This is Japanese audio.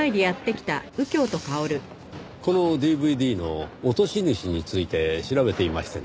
このＤＶＤの落とし主について調べていましてね。